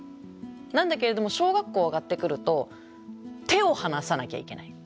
なんだけれども小学校上がってくると手を離さなきゃいけない。